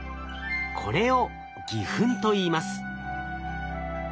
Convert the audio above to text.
これを偽ふんといいます。